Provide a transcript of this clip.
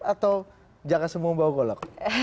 atau jangan semua bawa golok